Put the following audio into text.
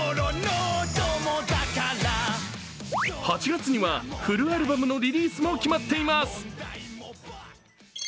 ８月にはフルアルバムのリリースも決まっています。